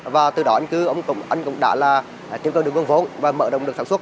và từ đó anh cư cũng đã là tiếp cận được nguồn vốn và mở đồng được sản xuất